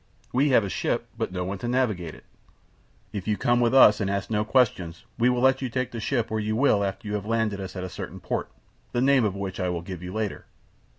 We have a ship, but no one to navigate it. If you will come with us and ask no questions we will let you take the ship where you will after you have landed us at a certain port, the name of which we will give you later.